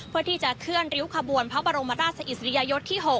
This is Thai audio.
เพื่อที่จะเคลื่อนริ้วขบวนพระบรมราชอิสริยยศที่๖